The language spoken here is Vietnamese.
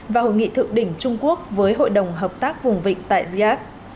và hội nghị thượng đỉnh trung quốc với hội đồng hợp tác vùng vịnh tại riyadh